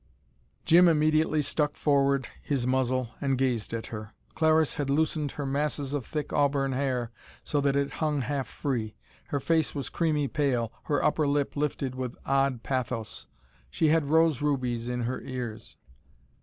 Jim immediately stuck forward his muzzle and gazed at her. Clariss had loosened her masses of thick, auburn hair, so that it hung half free. Her face was creamy pale, her upper lip lifted with odd pathos! She had rose rubies in her ears.